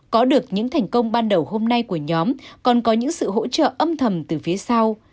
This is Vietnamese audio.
có được những thành công ban đầu hôm nay của nhóm còn có những sự hỗ trợ âm thầm từ phía sau